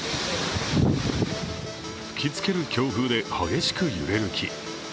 吹きつける強風で、激しく揺れる木。